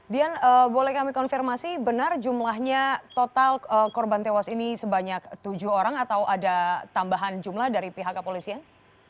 dian boleh kami konfirmasi benar jumlahnya total korban tewas ini sebanyak tujuh orang atau ada tambahan jumlah dari pihak kepolisian